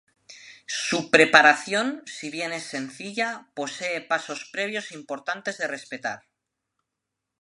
Su preparación, si bien es sencilla, posee pasos previos importantes de respetar.